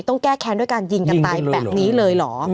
ต้องแก้แค้นด้วยการยิงกันตายแบบนี้เลยเหรอ